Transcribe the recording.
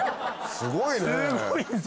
すごいね。